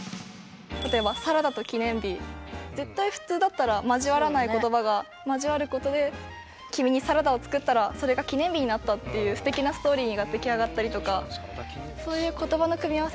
例えば「サラダ」と「記念日」絶対普通だったら交わらない言葉が交わることで君にサラダを作ったらそれが記念日になったっていうすてきなストーリーが出来上がったりとか。